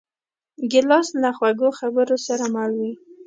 ګیلاس له خوږو خبرو سره مل وي.